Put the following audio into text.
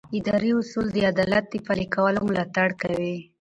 اداري اصول د عدالت د پلي کولو ملاتړ کوي.